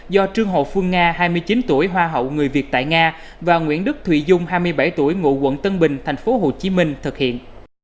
do trương hồ phương nga hai mươi chín tuổi hoa hậu người việt tại nga và nguyễn đức thủy dung hai mươi bảy tuổi ngụ quận tân bình tp hcm thực hiện